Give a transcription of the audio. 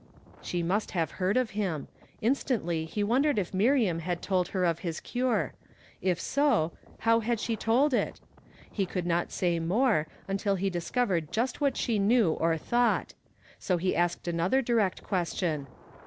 She nuist have heard of him. Instantly he wondered if Miiiam had told her of his cure ; if so, how had she told it? lie could not say more,' until he had discovered just what she knew or thought ; so he asked another direct question.